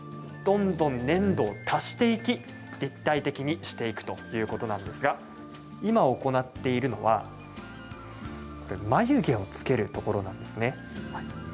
どんどん粘土を足していき立体的にしていくということなんですが今、行っているのは眉毛を付けるところなんですね。